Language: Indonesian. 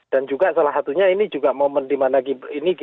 dan juga salah satunya ini juga momen dimana ini